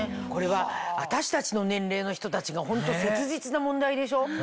これは私たちの年齢の人たちがホント切実な問題でしょ？